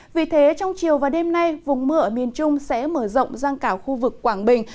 vì thế trong chiều và đêm nay vùng mưa ở miền trung sẽ mở rộng ra cả khu vực quảng bình